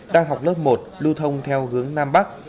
đang học lớp một lưu thông theo hướng nam bắc